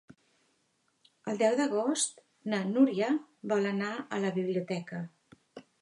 El deu d'agost na Núria vol anar a la biblioteca.